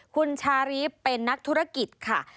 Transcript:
คุณชารีฟเป็นนักธุรกิจค่ะ